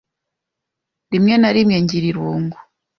Rimwe na rimwe ngira irungu.